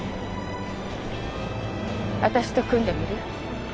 私と組んでみる？